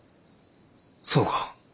そうか。